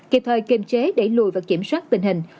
kịp thời kiềm chế đẩy lùi và kiểm soát tình hình